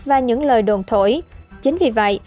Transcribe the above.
và những lời đồn thổi chính vì vậy